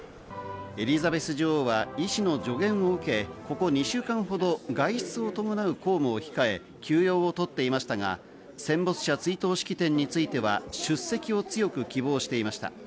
エリザベス女王は医師の助言を受け、ここ２週間ほど外出を伴う公務を控え、休養をとっていましたが、戦没者追悼式典については出席を強く希望していました。